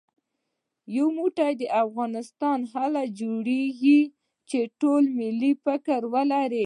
يو موټی افغانستان هله جوړېږي چې ټول ملي فکر ولرو